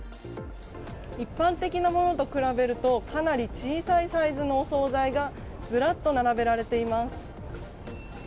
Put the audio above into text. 一般的なものと比べるとかなり小さいサイズのお総菜がずらっと並べられています。